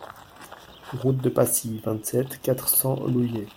Route de Pacy, vingt-sept, quatre cents Louviers